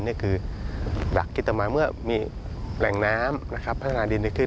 นี่คือหลักกิโตมายเมื่อมีแหล่งน้ำพัฒนาดินขึ้น